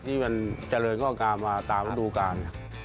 ที่มันเจริญง่องกามาตามฤดูกาล